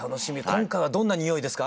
今回はどんな匂いですか？